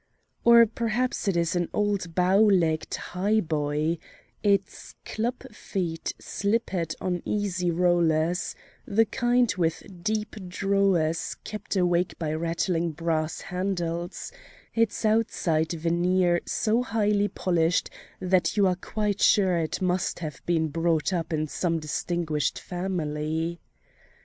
Or perhaps it is an old bow legged high boy its club feet slippered on easy rollers the kind with deep drawers kept awake by rattling brass handles, its outside veneer so highly polished that you are quite sure it must have been brought up in some distinguished family.